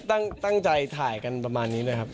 ดีครับตั้งใจถ่ายกันประมาณนี้ด้วยครับ